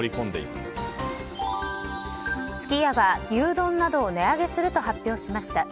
すき家は牛丼などを値上げすると発表しました。